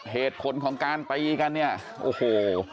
เหตุผลของการตีกันเนี่ยโอ้โห